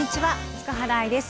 塚原愛です。